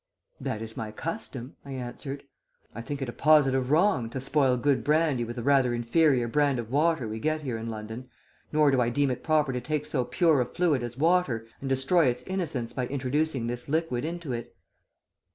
"'That is my custom,' I answered. 'I think it a positive wrong to spoil good brandy with the rather inferior brand of water we get here in London, nor do I deem it proper to take so pure a fluid as water and destroy its innocence by introducing this liquid into it.'